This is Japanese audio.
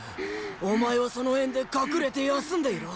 お前はその辺で隠れて休んでいろ！